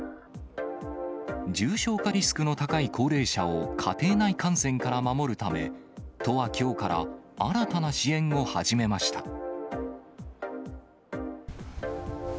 重症化リスクの高い高齢者を家庭内感染から守るため、都はきょうから新たな支援を始めました。